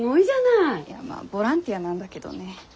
いやまあボランティアなんだけどね。